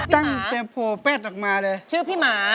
ตั้งแต่โผล่แปดออกมาเลยชื่อพี่หมา